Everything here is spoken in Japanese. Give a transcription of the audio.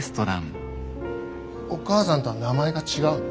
お母さんとは名前が違うの？